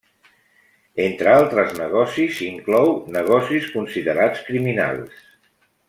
Entre altres negocis inclou negocis considerats criminals.